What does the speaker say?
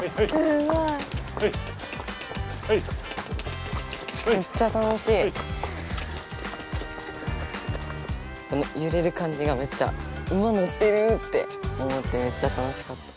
このゆれる感じがめっちゃ「馬乗ってる」って思ってめっちゃ楽しかった。